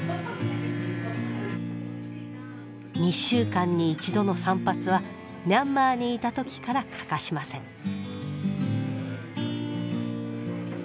２週間に１度の散髪はミャンマーにいた時から欠かしません。